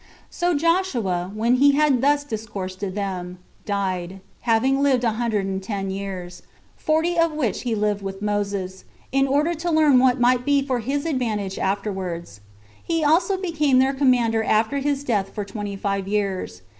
29. So Joshua, when he had thus discoursed to them, died, having lived a hundred and ten years; forty of which he lived with Moses, in order to learn what might be for his advantage afterwards. He also became their commander after his death for twenty five years.